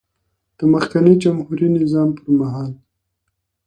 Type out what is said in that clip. د مخکېني جمهوري نظام پر مهال